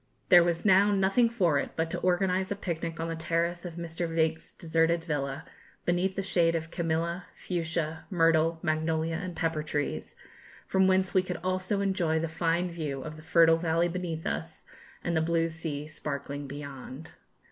There was now nothing for it but to organise a picnic on the terrace of Mr. Veitch's deserted villa, beneath the shade of camellia, fuchsia, myrtle, magnolia, and pepper trees, from whence we could also enjoy the fine view of the fertile valley beneath us and the blue sea sparkling beyond.